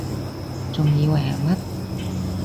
仲以為係乜????